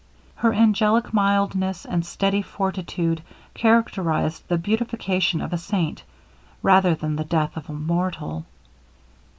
Her angelic mildness, and steady fortitude characterized the beatification of a saint, rather than the death of a mortal.